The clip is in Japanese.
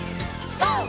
ＧＯ！